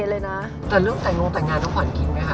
เลยนะแต่เรื่องแต่งงแต่งงานน้องขวัญกินไหมคะ